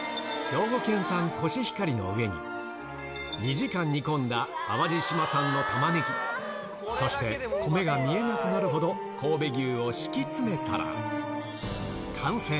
兵庫県産コシヒカリの上に、２時間煮込んだ淡路島産のタマネギ、そして米が見えなくなるほど神戸牛を敷き詰めたら、完成。